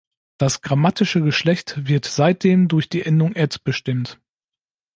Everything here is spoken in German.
Das grammatische Geschlecht wird seitdem durch die Endung „-et“ bestimmt.